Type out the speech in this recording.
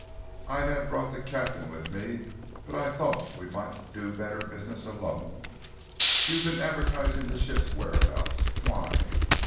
"I'd have brought the captain with me, but I thought we might do better business alone. You've been advertising the ship's whereabouts. Why?"